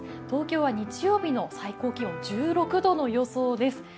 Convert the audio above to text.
東京は日曜日の最高気温１６度の予想です。